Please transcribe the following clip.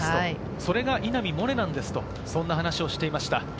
それが稲見萌寧なんですと話していました。